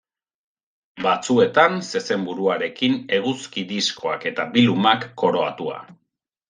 Batzuetan, zezen buruarekin, eguzki diskoak eta bi lumak koroatua.